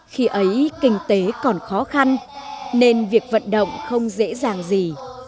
khi ấy kinh tế còn khó khăn nên việc vận động không dễ dàng gì